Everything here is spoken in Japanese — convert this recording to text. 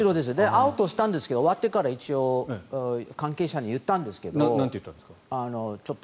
会おうとしたんですけど終わってから一応関係者に言ったんですけど。